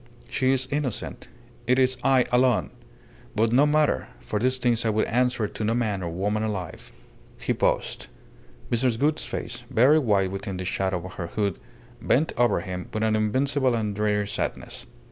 "She is innocent. It is I alone. But no matter. For these things I would answer to no man or woman alive." He paused. Mrs. Gould's face, very white within the shadow of the hood, bent over him with an invincible and dreary sadness.